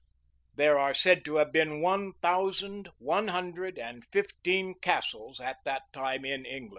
There are said to have been one thousand one hundred and fifteen castles at that time in England.